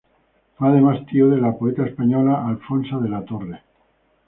Fue además, tío de la poeta española Alfonsa de la Torre.